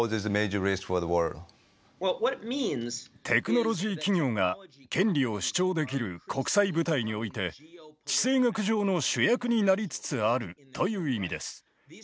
テクノロジー企業が権利を主張できる国際舞台において地政学上の主役になりつつあるという意味です。